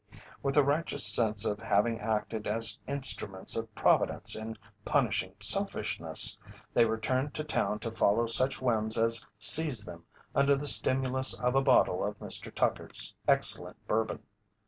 With a righteous sense of having acted as instruments of Providence in punishing selfishness, they returned to town to follow such whims as seized them under the stimulus of a bottle of Mr. Tucker's excellent Bourbon.